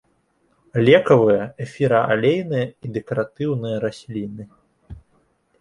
Лекавыя, эфіраалейныя і дэкаратыўныя расліны.